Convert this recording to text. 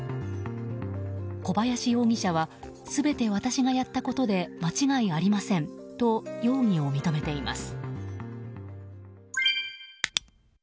小林容疑者は全て私がやったことで間違いありませんと容疑を認めています。